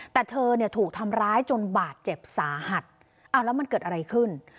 แต่เธอเนี่ยถูกทำร้ายจนบาดเจ็บสาหัสอ้าวแล้วมันเกิดอะไรขึ้น